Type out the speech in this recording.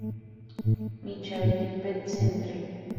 Michael Tippett Centre.